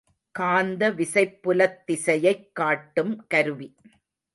காந்த விசைப் புலத் திசையைக் காட்டும் கருவி.